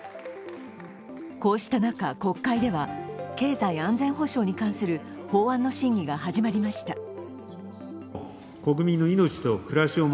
こうした中、国会では経済安全保障に関する法案の審議が始まりました。